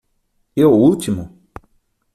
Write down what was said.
E o último?